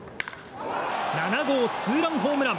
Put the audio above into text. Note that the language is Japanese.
７号ツーランホームラン。